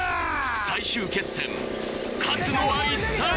最終決戦勝つのは一体！？